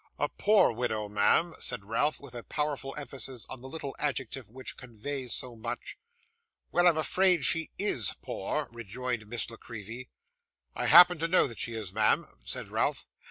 'A POOR widow, ma'am,' said Ralph, with a powerful emphasis on that little adjective which conveys so much. 'Well, I'm afraid she IS poor,' rejoined Miss La Creevy. 'I happen to know that she is, ma'am,' said Ralph.